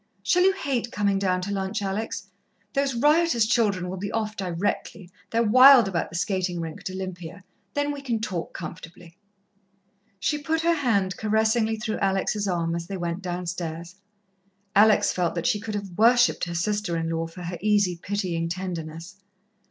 Shall you hate coming down to lunch, Alex? Those riotous children will be off directly, they're wild about the skating rink at Olympia. Then we can talk comfortably." She put her hand caressingly through Alex' arm, as they went downstairs. Alex felt that she could have worshipped her sister in law for her easy, pitying tenderness.